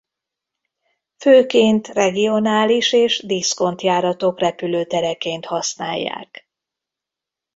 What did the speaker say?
Főként regionális és diszkont járatok repülőtereként használják.